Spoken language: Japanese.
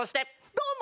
どうも。